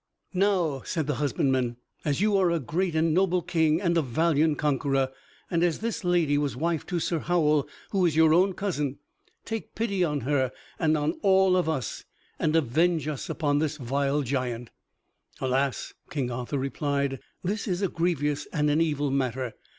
"Now," said the husbandman, "as you are a great and noble King and a valiant conqueror, and as this lady was wife to Sir Howel, who is your own cousin, take pity on her and on all of us, and avenge us upon this vile giant." "Alas," King Arthur replied, "this is a grievous and an evil matter.